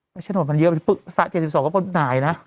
แต่ฉโนดมันเยอะไปปุ๊กซะ๗๒ก็ตายนะ